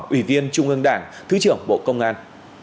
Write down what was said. ủy viên trung ương đảng thứ trưởng bộ công an